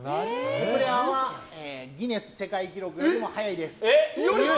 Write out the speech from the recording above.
エクレアはギネス世界記録よりも早いです。